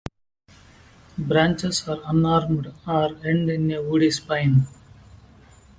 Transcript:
Branches are unarmed or end in a woody spine.